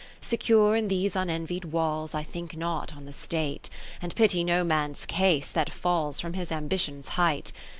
Secure in these unenvied walls I think not on the State, And pity no man's case that falls From his Ambition's height.